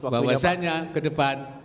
bahwasanya ke depan